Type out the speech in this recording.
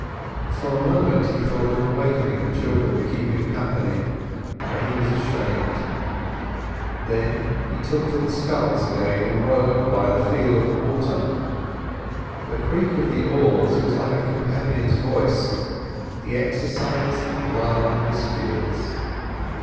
For a moment he thought of awakening the children to keep him company, but he was ashamed. Then he took to the sculls again, and rowed "by the feel of the water." The creak of the oars was like a companion's voice, the exercise lulled his fears.